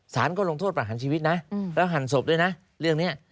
สารก็ลงโทษประหารชีวิตนะแล้วหั่นศพด้วยนะเรื่องนี้